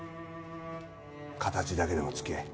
形だけでも付き合え。